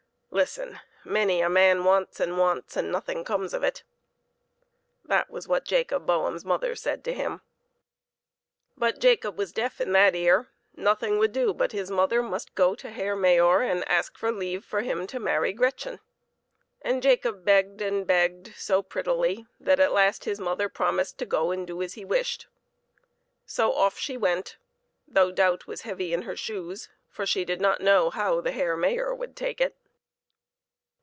Listen; many a man wants and wants, and nothing comes of it!" That was what Jacob Boehm's mother said to him. But Jacob was deaf in that ear; nothing would do but his mother must go to the Herr Mayor, and ask for leave for him to marry Gretchen. And Jacob begged and begged so prettily that at last his mother promised to go and do as he wished. So off she went, though doubt was heavy in her shoes, for she did not know how the Herr Mayor would take it.